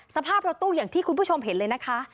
สภาพรถตู้อย่างที่คุณผู้ชมเห็นเลยนะคะ